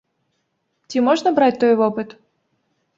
Ці можна браць той вопыт?